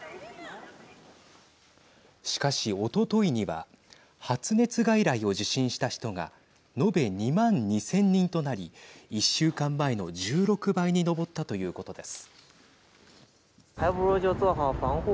しかし、おとといには発熱外来を受診した人が延べ２万２０００人となり１週間前の１６倍に上ったということです。